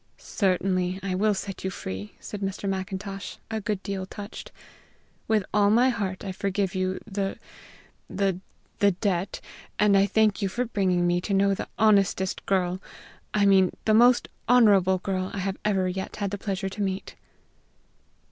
"Certainly I will set you free," said Mr. Macintosh, a good deal touched. "With all my heart I forgive you the the the debt, and I thank you for bringing me to know the honestest girl I mean, the most honorable girl I have ever yet had the pleasure to meet."